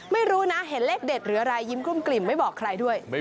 ไม่รู้นะเห็นเลขเด็ดหรืออะไรยิ้มกลุ้มกลิ่มไม่บอกใครด้วย